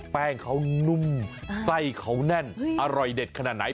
แป้งเค้านุ่มใส่เค้านั่นอร่อยเด็ดขนาดไหน